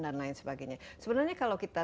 dan lain sebagainya sebenarnya kalau kita